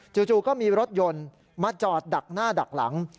จู่ก็มีรถยนต์มาจอดดักหน้าดักหลัง